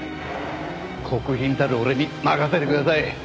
国賓たる俺に任せてください！